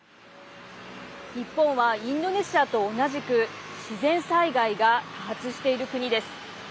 日本はインドネシアと同じく自然災害が多発している国です。